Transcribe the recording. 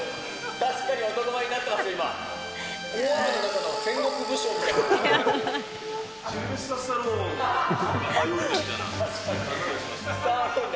確かに男前になってますよ、大雨の中の戦国武将みたいな。